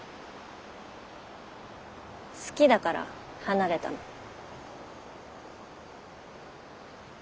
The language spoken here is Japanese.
好きだから離れたの。